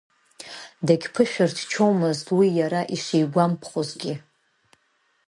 Дагьԥышәырччомызт, уи иара ишигәамԥхозгьы.